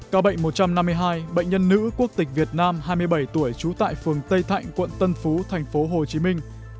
ca bệnh một trăm năm mươi hai bệnh nhân nữ quốc tịch việt nam hai mươi bảy tuổi trú tại phường tây thạnh quận tân phú thành phố hồ chí minh